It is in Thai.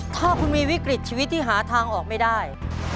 ถ้าคุณมีวิกฤตชีวิตที่หาทางออกไม่ได้